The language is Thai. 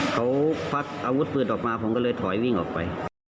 เขาควักอาวุธปืนออกมาผมก็เลยถอยวิ่งออกไป